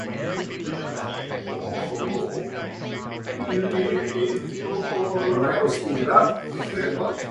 New rules around gunplay and spellcasting are also included.